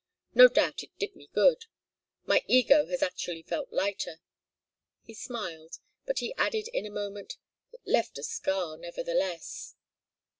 No doubt it did me good. My ego has actually felt lighter." He smiled. But he added in a moment: "It left a scar, nevertheless."